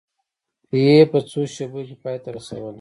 یې په څو شېبو کې پای ته رسوله.